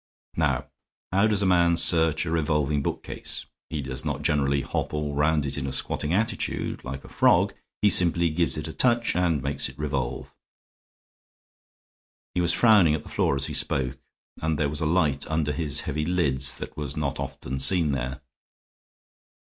"Now, how does a man search a revolving bookcase? He does not generally hop all round it in a squatting attitude, like a frog. He simply gives it a touch and makes it revolve." He was frowning at the floor as he spoke, and there was a light under his heavy lids that was not often seen there.